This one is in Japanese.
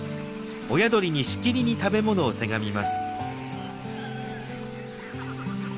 親鳥にしきりに食べ物をせがみます。